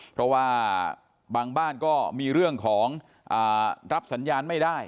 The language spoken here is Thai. เพราะว่าบางบ้านก็มีเรื่องของรับสัญญาณไม่ได้